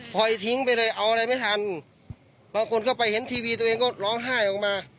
พอยทิ้งไปเลยเอาอะไรไม่ทันบางคนเข้าไปเห็นทีวีตัวเองก็ร้องไห้ออกมา